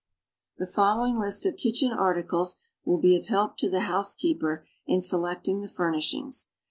The following list of kitchen articles will be of help to the housekeeper in selecting the furnishings.